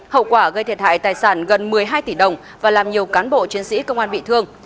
hậu quả gây thiệt hại tài sản gần một mươi hai tỷ đồng và làm nhiều cán bộ chiến sĩ công an bị thương